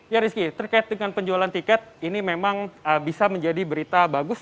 ya rizky terkait dengan penjualan tiket ini memang bisa menjadi berita bagus